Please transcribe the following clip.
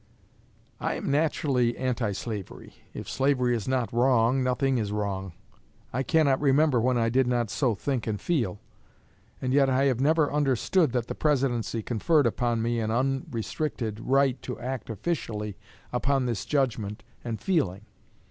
I am naturally anti slavery. If slavery is not wrong, nothing is wrong. I cannot remember when I did not so think and feel; and yet I have never understood that the Presidency conferred upon me an unrestricted, right to act officially upon this judgment and feeling.